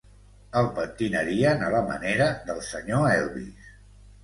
El pentinarien a la manera del senyor Elvis.